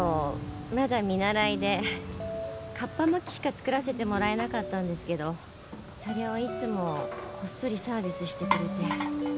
まだ見習いでかっぱ巻きしか作らせてもらえなかったんですけどそれをいつもこっそりサービスしてくれて。